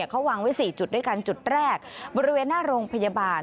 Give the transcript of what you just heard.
เขาวางไว้๔จุดด้วยกันจุดแรกบริเวณหน้าโรงพยาบาล